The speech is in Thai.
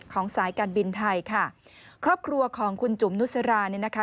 สายการบินไทยค่ะครอบครัวของคุณจุ๋มนุสราเนี่ยนะคะ